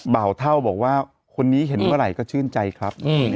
บ่าเท่าบอกว่าคนีเห็นเวลาชื่นใจครับ